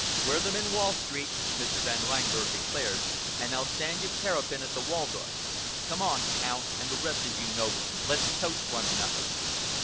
"Wear them in Wall Street," Mr. Van Reinberg declared, "and I'll stand you terrapin at the Waldorf. Come on, Count, and the rest of you noblemen. Let's toast one another."